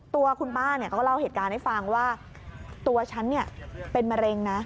ตัวคุณป้าก็เล่าเหตุการณ์ให้ฟังว่าตัวฉันเป็นมะเร็งนะ